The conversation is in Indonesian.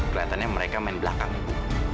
keliatannya mereka main belakang ibu